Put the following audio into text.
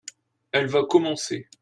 elle va commencer.